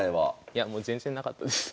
いやもう全然なかったです。